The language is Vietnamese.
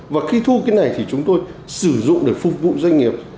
và khi thu cái này thì chúng tôi sử dụng để phục vụ doanh nghiệp